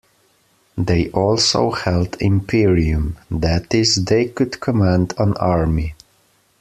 They also held imperium; that is, they could command an army.